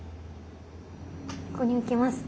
ここに置きます。